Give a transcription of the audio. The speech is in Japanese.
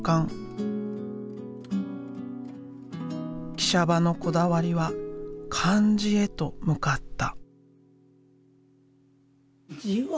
喜舎場のこだわりは漢字へと向かった。